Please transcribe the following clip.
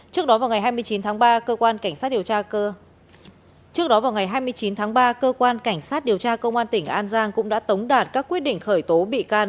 trước đó vào ngày hai mươi chín tháng ba cơ quan cảnh sát điều tra cơ quan tỉnh an giang cũng đã tống đạt các quyết định khởi tố bị can